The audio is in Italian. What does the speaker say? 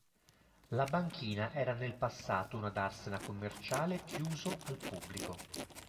La banchina era nel passato una darsena commerciale chiuso al pubblico.